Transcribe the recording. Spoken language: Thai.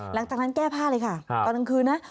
หลังจากนั้นแก้ผ้าเลยค่ะตอนกลางคืนนะ